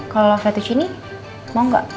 kalau fettuccine mau nggak